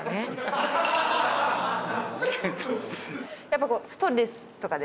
やっぱ。